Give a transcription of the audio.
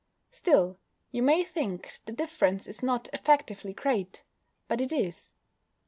Still, you may think the difference is not effectively great. But it is.